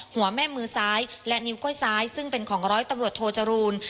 หัวแม่มือซ้ายและนิ้วก้อยซ้ายซึ่งเป็นของร้อยตำรวจโทจรูล